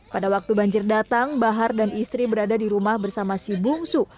pada waktu banjir datang bahar dan istri berada di rumah bersama si bungsu